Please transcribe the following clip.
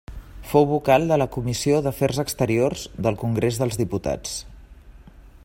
Fou vocal de la comissió d'afers exteriors del Congrés dels Diputats.